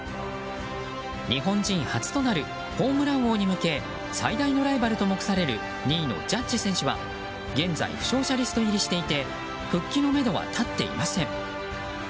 日本人初となるホームラン王に向け最大のライバルと目される２位のジャッジ選手は現在、負傷者リスト入りして復帰のめどは立っていません。